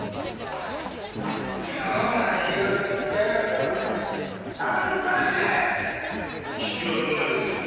妙な言いがかりつけやがるとただじゃ済まねぇぜ聞きわけのないヤツだな。